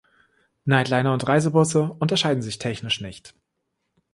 Nightliner und Reisebusse unterscheiden sich technisch nicht.